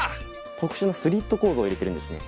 特殊なスリット構造を入れているんですね。